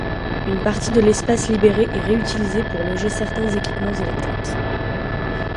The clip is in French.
Une partie de l'espace libéré est réutilisée pour loger certains équipements électriques.